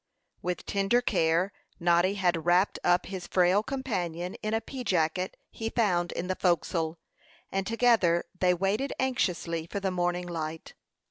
With tender care Noddy had wrapped up his frail companion in a pea jacket he found in the forecastle, and together they waited anxiously for the morning light.